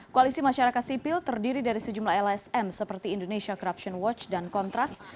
koalisi masyarakat sipil terdiri dari sejumlah lsm seperti indonesia corruption watch dan kontras